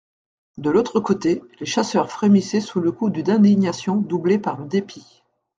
De l'autre côté, les chasseurs frémissaient sous le coup d'une indignation doublée par le dépit.